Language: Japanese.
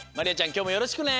きょうもよろしくね。